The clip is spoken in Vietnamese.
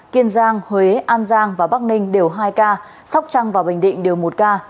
kiên giang huế an giang và bắc ninh đều hai ca sóc trăng và bình định đều một ca